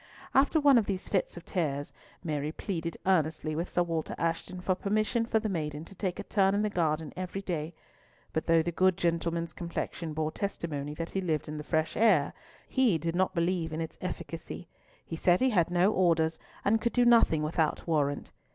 After one of these fits of tears, Mary pleaded earnestly with Sir Walter Ashton for permission for the maiden to take a turn in the garden every day, but though the good gentleman's complexion bore testimony that he lived in the fresh air, he did not believe in its efficacy; he said he had no orders, and could do nothing without warrant.